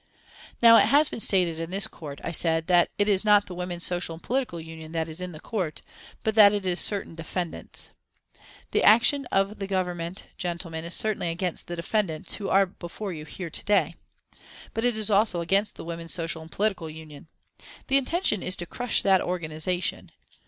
"Now it has been stated in this Court," I said, "that it is not the Women's Social and Political Union that is in the Court, but that it is certain defendants. The action of the Government, gentlemen, is certainly against the defendants who are before you here to day, but it is also against the Women's Social and Political Union. The intention is to crush that organisation.